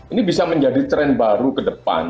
ini bisa menjadi tren baru ke depan